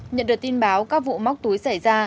nhận được tin báo các vụ móc túi xảy ra